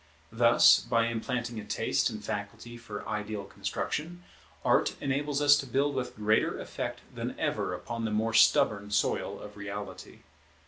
Thus, by implanting a taste and faculty for ideal construction, Art enables us to build with greater effect than ever upon the more stubborn soil of reality.